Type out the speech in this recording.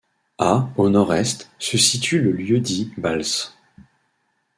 À au nord-est, se situe le lieu-dit Balsce.